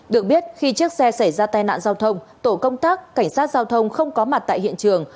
được biết khi chiếc xe xảy ra tai nạn giao thông tổ công tác cảnh sát giao thông không có mặt tại hiện trường